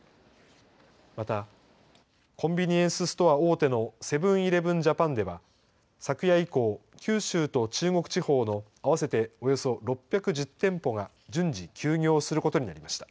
またコンビニエンスストア大手のセブン−イレブン・ジャパンでは昨夜以降九州と中国地方の合わせておよそ６１０店舗が順次、休業することになりました。